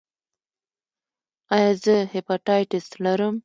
ایا زه هیپاټایټس لرم؟